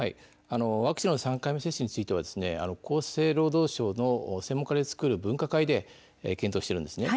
ワクチンの３回目接種については厚生労働省の専門家で作る分科会で検討しています。